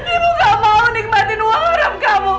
ibu gak mau nikmatin uang haram kamu